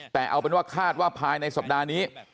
แต่เอาเป็นว่าคาดว่าภายในสัปดาห์นี้